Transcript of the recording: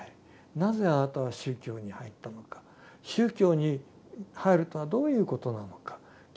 なぜあなたは宗教に入ったのか宗教に入るとはどういうことなのかキリスト教ではどうなのか